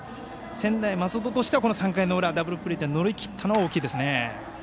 専大松戸としては、この３回の裏ダブルプレーで乗り切ったのは大きいですね。